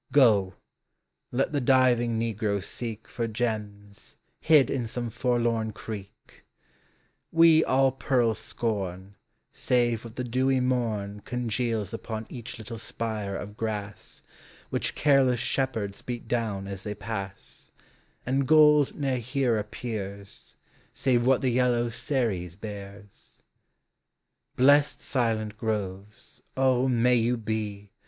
Go, let the diving negro seek For gems, hid in some forlorn creek: We all pearls scorn Save what the dewy morn Congeals upon each little spire of grass, Which careless shepherds beat down as they pass; And gold ne'er here appears, Save what the yellow Ceres bears. Blest silent groves, O, may you be.